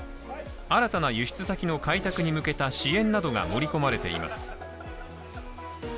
新たな輸出先の開拓に向けた支援などが盛り込まれています。